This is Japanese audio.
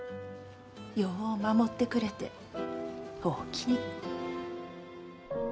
よう守ってくれておおきに。